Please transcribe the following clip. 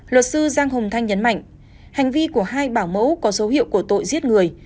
luật sư giang hồng thanh nhấn mạnh hành vi của hai bảo mẫu có dấu hiệu của tội giết người